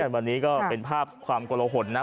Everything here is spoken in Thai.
วันนี้ก็เป็นภาพความกลหนนะ